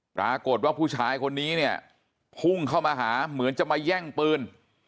ปรากฏว่าผู้ชายคนนี้เนี่ยพุ่งเข้ามาหาเหมือนจะมาแย่งปืน